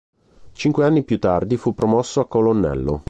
Cinque anni più tardi fu promosso a colonnello.